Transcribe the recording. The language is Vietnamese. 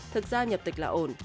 thực ra nhập tịch là ổn